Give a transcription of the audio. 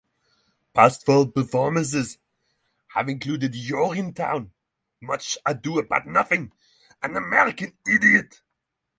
Past fall performances have included Urinetown, Much Ado About Nothing and American Idiot.